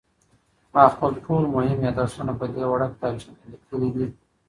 ما خپل ټول مهم یادښتونه په دې وړه کتابچه کې لیکلي دي.